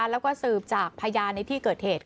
แล้วก็สืบจากพยานในที่เกิดเหตุ